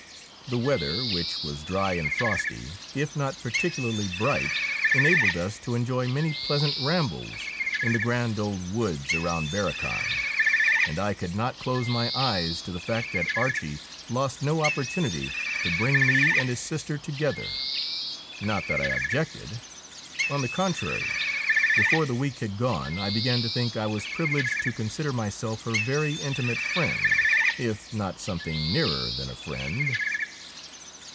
The weather, which was dry and frosty, if not particularly bright, enabled us to enjoy many pleasant rambles in the grand old woods around Barrochan, and I could not close my eyes to the fact that Archie lost no opportunity to bring me and his sister together. Not that I objected; on the contrary, before the week had gone I began to think I was privileged to consider myself her very intimate friend, if not something nearer than a friend.